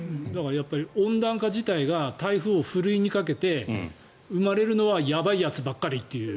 やっぱり温暖化自体が台風をふるいにかけて、生まれるのはやばいやつばかりという。